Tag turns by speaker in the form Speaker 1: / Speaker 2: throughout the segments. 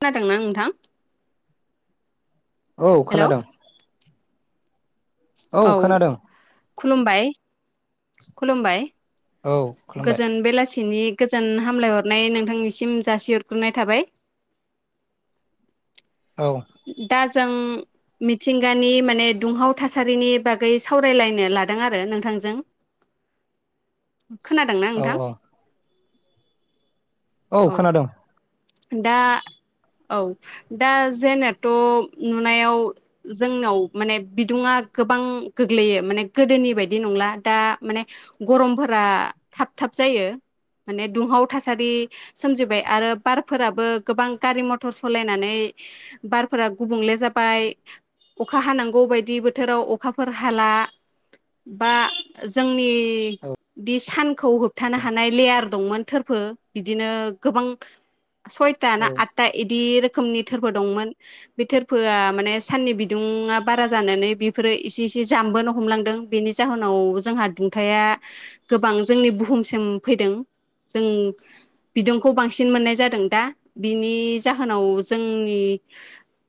Speaker 1: खोनादोंना नोंथां?
Speaker 2: औ
Speaker 1: हेलौ
Speaker 2: खोनादोंं।
Speaker 1: औ खुलुमबाय। खुलुमबाय।
Speaker 2: औ खुलुमबाय।
Speaker 1: नि गोजान हामलायहरनाय नोंथांनिसिम जासिहरग्रोनाय थाबाय।
Speaker 2: औ
Speaker 1: दास जों मिथिंगानि माने दुंहाव थासारिनि बागै सावरायलायनो लादों आरो नोंथांजों। खोनादोंना
Speaker 2: औ
Speaker 1: नोंथां?
Speaker 2: औ औ खोनादों
Speaker 1: दा औ दा जेनेथ' नुनायाव जोंनाव माने बिदुङा गोबां गोग्लैयो माने गोदोनि बायदि नंला दा माने गरमफोरा थाब थाब जायो माने दुंहाव थासारि सोमजिबाय आरो बारफोराबो गोबां गारि मथर सलायनानै बारफोरा गुबुंले जाबाय अखा हानांगौ बायदि बोथोराव अखाफोर हाला बा जोंनि
Speaker 2: औ
Speaker 1: दि सान खौ होबथानो हानाय लेयार दंमोन थोरफो बिदिनो गोबां सयता
Speaker 2: औ
Speaker 1: ना आत्ता इदि रो खोमनि थोरफो दंमोन बे थोरफोआ माने साननि बिदुुं आ बारा जानानै बेफोरो एसे इसे जामबोनो हमलांदों बेनि जाहोनावबो जोंहा दुंथाया गोबां जोंनि बुहुमसिम फैदों जों बिदुंखौ बांसिन मोननाय जा दोंदा बिनि जाहोनाव जोंनि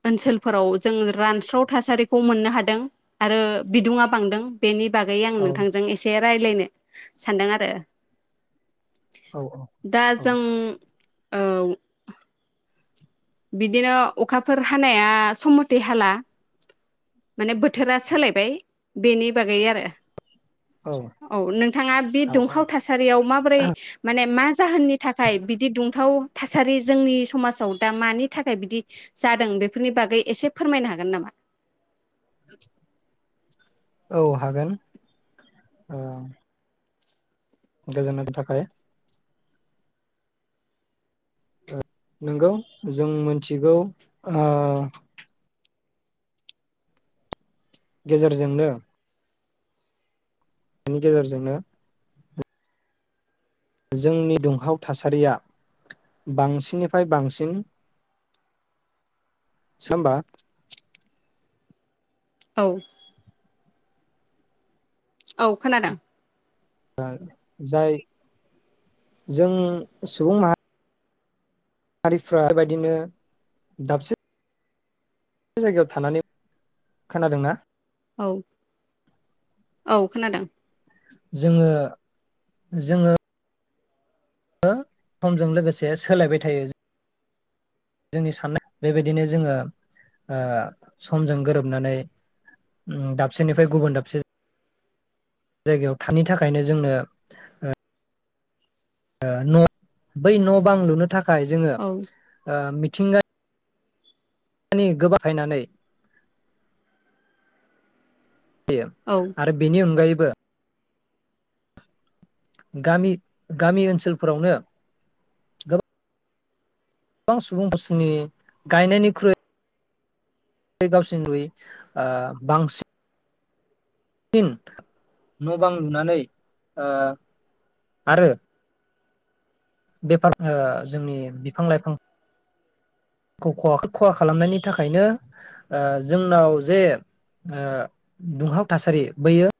Speaker 1: ओनसोलफोराव जों रानस्राव थासारिखौ मोननो हादों आरो बिदुंआ बांदों बेनि बागै आं
Speaker 2: औ
Speaker 1: नोंथांजों एसे रायलायनो सानदों आरो
Speaker 2: औ
Speaker 1: दा जों औ। बिदिनो अखाफोर हानाया सम मते हाला माने बोथोरा सोलायबाय बेनि बागै आरो। औ नोंथाङा बे
Speaker 2: औ
Speaker 1: दुंहाव थासारियाव माबोरै माने मा जाहोननि थाखाय बिदि दुं थाव थासारि जोंनि समाजाव दा मानि थाखाय बिदि जादों बेफोरनि बागै एसे फोरमायनो हागोन नामा?
Speaker 2: औ हागोन ओ [unintelligible] नोंगौ जों मोनथिगौ आ गेजेरजोंनो बेनि गेजेरजोंनो जोंनि दुंहाव थासारिया बांसिननिफ्राय बांसिन। सोमबा
Speaker 1: औ औ खोनादों
Speaker 2: जाय जों सुबुं माहा हारिफ्रा बेबायदिनो दाबसे बे जायगायाव थानानै खोनादोंना?
Speaker 1: औ औ खोनादों
Speaker 2: जोङो जोङो [unintelligible] समजों लोगोसे सोलायबाय थायो। जोंनि साननाया बेबायदिनो जोङो ओ समजों गोरोबनानै ओम दाबसेनिफ्राय गुबुन दाबसे जायगायाव थानि थाखायनो जोंनो ओ ओ न बै न बां‌ लुनो था खाय जोङो ओ
Speaker 1: औ
Speaker 2: मिथ [unintelligible] नि गोबाखायनानै देम
Speaker 1: औ
Speaker 2: आरो बेनि अनगायैबो बो गामि गामि ओनसोलफोरावनो गोबा गोबां सुबुं [unintelligible] गायनायनिख्रुइ बे गावसोर नुयै ओ बांसिन इन न' बां लुनानै ओ आरो बेफार ओ जोंनि बिफां लाइफां [inaudible] खौ खहा खहा खालामनायनि थाखायनो ओ जोंनाव जे ओ दुंहाव थासारि बैयो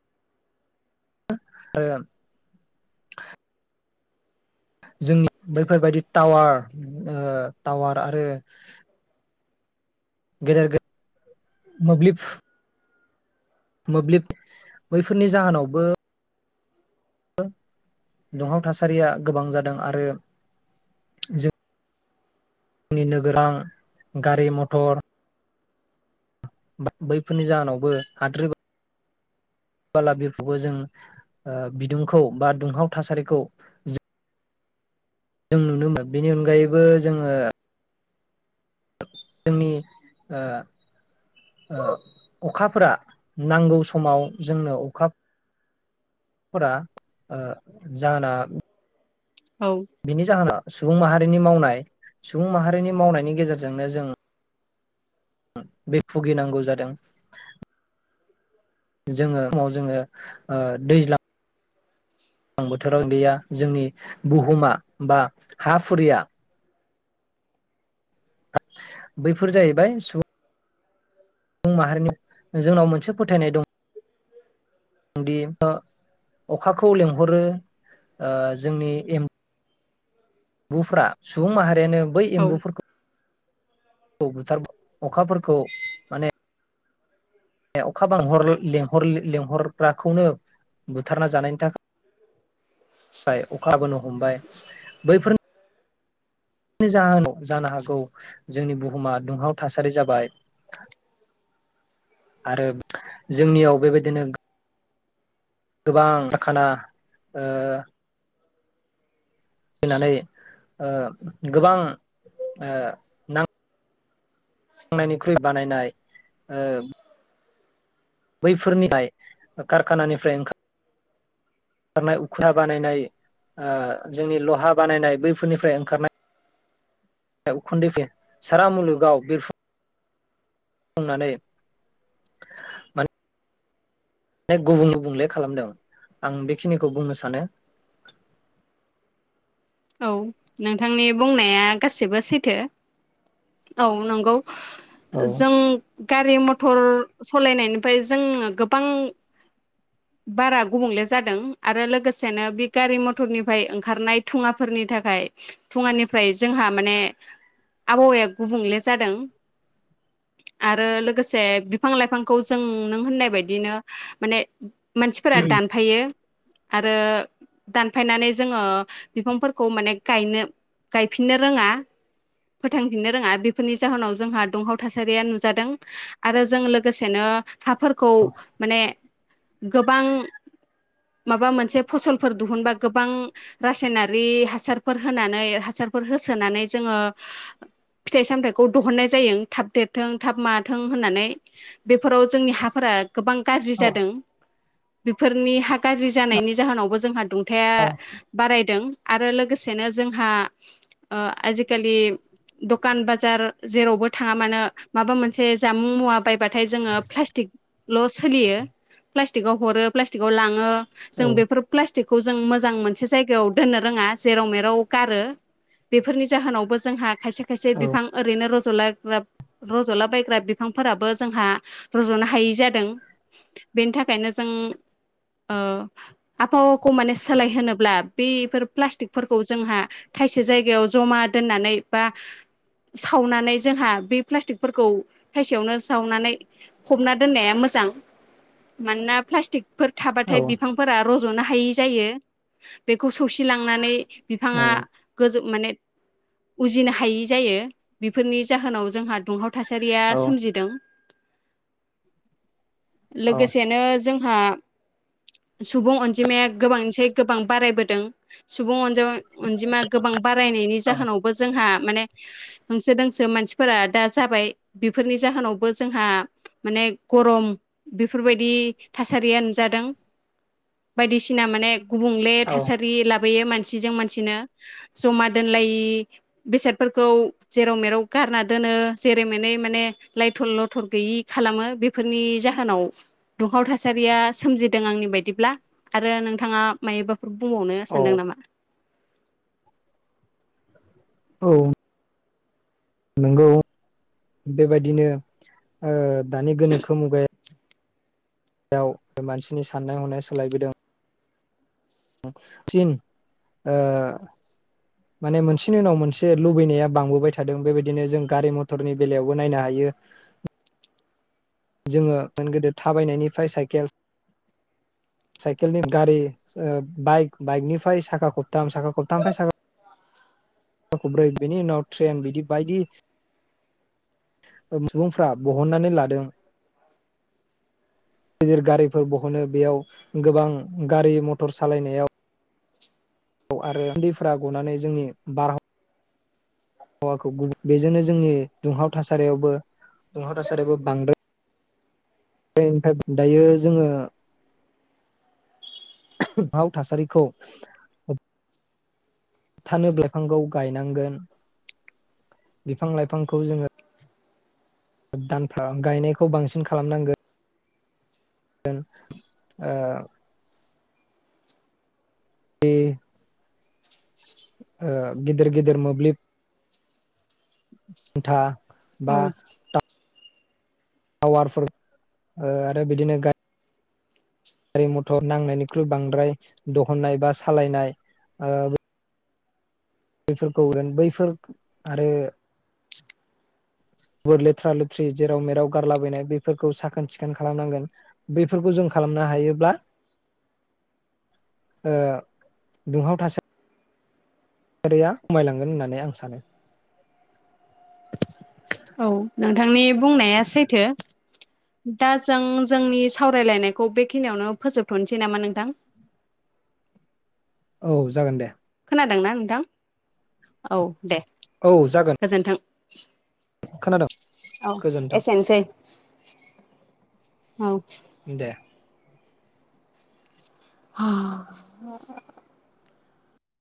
Speaker 2: ह [unintelligible] जोंनि बैफोरबायदि टावार ओ टावार आरो गदेर गेदेर मोब्लिब मोब्लिब बैफोरनि जाहोनावबो दुंहाव थासारिया गोबां जादों आरो जों आंनि नोगोरां गारि मथर मथर बैफोरनि जाहोनावबो हाद्रि बालाबिखौबो जों ओ बिदुंखौ बा दुंहाव थासारिखौ जों जों नुनो मोनो बेनि अनगायैबो जोङो जोंनि ओ ओअखाफोरा नांगौ समाव जोंनो अखाफोरा ओ जाहोना
Speaker 1: औ
Speaker 2: बिनि जाहोना सुबुं माहारिनि मावनाय सुबुं माहारिनि मावनायनि गेजेरजोंनो जों बे भुगिनांगौ जादों जोङो समाव ओ जोङो दैज्लां दैज्लां बोथोराव गैया जोंनि बुहुमा बा हा फुरिया बैफोर जाहैबाय सुबुं सुबुं माहारिनि जोंनाव मोनसे फोथायनाय दं दि अखाखौ लेंंहरो ओ जोंनि एम बुफ्रा सुबुं माहारि बेनिखायनो बै
Speaker 1: औ
Speaker 2: एम्बुफोरखौ बुथार अखाफोरखौ माने अखा बां लेंहर-लेंहर-लेंहरग्राखौनो बुथारना जानायनि थाखाय अखा बोनो हमबाय बैफोरनि ज जानो हागौ जोंनि बुहुमा दुंहाव थासारि जाबाय आरो जोंनियाव बेबायदिनो गोबांखाना ओ फैनानै ओ गोबां ओ नां थांनायनिख्रुइ बानायनाय ओ बैफोरनिफ्राय कारखानानिफ्राय ओंखार ओंखारनाय उखु बानायनाय जोंनि लहा बानायनाय बैफोरनिफ्राय ओंखारनाय उखुन्दै सारा मुलुगाव बिरफुंनानै गुबुं गुबुंले खालामदों आं बेखिनिखौ बुंनो सानो।
Speaker 1: औ नोंथांनि बुंनाया गासिबो सैथो औ नंगौ।
Speaker 2: औ
Speaker 1: जों गारि मथर मटर सालायनायनिफ्राय जोङो गोबां बारा गुबुंले जादों आरो लोगोसेनो बे गारि मटरनिफ्राय ओंखारनाय थुङाफोरनि थाखाय थुङानिफ्राय जोंहा माने आबहावाया गुबुंले जादों आरो लोगोसे बिफां लाइफांखौ जों नों होननाय बायदिनो माने मानसिफोरा दानफायो आरो दानफायनानै जोङो बिफांफोरखौ माने गायनो गायफिननो रोङा फोथांफिननो रोङा बेफोरनि जाहोनाव जोंहा दंहाव थासारिया नुजादों आरो जों लोगोसेनो हाफोरखौ माने गोबां माबा मोनसे फसलफोर दिहुनबा गोबां रासायनारि रि हासारफोर होनानै हासारफोर होसोनानै जोङो फिथाइ सामथायाइखौ दिहुननाय जायो थाब देरथों थाब माथों होननानै बेफोराव जोंनि हाफोरा गोबां गाज्रि
Speaker 2: औ
Speaker 1: जादों बेफोरनि हा गाज्रि जानायनि जाहोनावबो जोंहा दुं थाया
Speaker 2: औ
Speaker 1: बारायदों आरो लोगोसेनो जोंहा ओ आजिखालि दखान बाजार जेरावबो थाङा मानो माबा मोनसे जामुं मुवा बायबाथाय जोङो प्लास्टिकल' सोलियो, प्लास्टिकआव हरो प्लास्टिकआव लाङो।
Speaker 2: औ
Speaker 1: जों बेफोर प्लास थिकखौ जों मो मोन जायगायाव दोन रोङा जेराव मेराव गारो बेफोरनि जाहोनावबो जोंहा खायसे खायसे बिफां
Speaker 2: औ
Speaker 1: ओरैनो रज' लाग्रा रज'लाबायग्रा बिफांफोराबो जोंहा रज'नो हायै जादों। बेनि थाखायनो जों ओ आबहावाखौ माने सोलाय होनोब्ला बेफोर प्लास्टिकफोरखौ जोंहा थाइसे जायगायाव जमा दोननानै बा सावनानै जोंहा बे प्लास्टिकफोरखौ थायसेयावनो जावनानै फबना दोननाया मोजां मानोना प्लास्टिक फोर थाबाथाय बिफांफोरा रजनो हायि जायो बेखौ सौसि लांनानै
Speaker 2: औ
Speaker 1: बिफाङा गोजौ माने उजिनो हायि जायो बेफोरनि जाहोनाव जोंहा दुंहाव थासारिया
Speaker 2: औ
Speaker 1: सोमजिदों। लोगोसेनो जों हा सुबुं अनजिमाया गोबांसै गोबां बारायबोदों सुबुं अन [unintelligible] अनजिमा गोबां बारायनायनि जाहोनावबो जोंहा माने होंसो दोंसो मानसिफोरा दा जाबाय बिफोरनि जाहोनावबो जोंहा माने ग'रम बेफोरबायदि थासारिया नुजादों बायदिसिना माने गुबुंले थासा लाबोयो मानसिजों मानसिनो जमा दोनलायि बेसादफोरखौ जेराव मेराव गारना दोनो जेरै मेनै माने लाइथर लथर गैयि खालामो बेफोरनि जाहोनाव दुंहाव थासारिया सोमजिदों आंनि बायदिब्ला आरो नोंथाङा मायबाफोरब बुंबावनो
Speaker 2: औ
Speaker 1: सानदों नामा
Speaker 2: औ नंगौ बेबायदिनो दानि ओ गोनोखो मुगा याव मानसिनि साननाय हनाया सोलायबोदों थिन ओ माने मोनसेनि उनाव मोनसे लुबैनाया बांबोबाय थादों बेबायदिनो जों गारि मथरनि बेलायावबो नायनो हायो जोङो मोन गोदो थाबायनायनिफाय साइकेल साइकेलनि गारि ओ बाइक बाइकनिफाय साखा खबथाम साखा खबथामनिफाय साखा खब्रै बेनि उनाव ट्रेन बिदि बायदि। सुबुंफ्रा बहननानै लादों दिर गारिफोर बहनो बेयाव गोबां गारि मटर सालायनायाव औ आरो उन्दैफोरा गनानै जोंनि बारहाव वाखौ [unintelligible] बेजोंनो जोंनि दुंहाव थासारियावबो दुंहाव थासारियाबो बांदों [inaudible] दायो जोङो हाव थासारिखौ थानोब लाइफांखौ गायनांगोन बिफां लाइफांखौ जोङो दानफ्रा गायनायखौ बांसिन खालामनांगोन ओ [unintelligible] ओ गिदिर गिदिर मोब्लिब उमथा
Speaker 1: औ
Speaker 2: टावारफोर ओ आरो बिदिनो गा [unintelligible] रि मथर नांनायनिख्रुइ बांद्राय दहननाय बा सालायनाय ओ बैफोरखौ [unintelligible] बैफोर आरो बोर लेथ्रा लेथ्रि जेराव मेराव गारलाबायनाय बेफोरखौ साखोन सिखोन खालामनांगोन बेफोरखौ जों खालामनो हायोब्ला ओ दुंहाव थासा रिया मायलांगोन होननानै आं सानो।
Speaker 1: औ नोंथांनि बुंनाया सैथो दा जों जोंनि सावरायलायनायखौ बेखिनियावनो फोजोबथनसै नामा नोंथां?
Speaker 2: औ जागोन दे।
Speaker 1: नादोंना नोंथां औ दे
Speaker 2: औ जागोन
Speaker 1: गोजोन्थों
Speaker 2: खोनादों
Speaker 1: औ
Speaker 2: गोजोन्थों
Speaker 1: एसेनोसै औ
Speaker 2: दे
Speaker 1: ह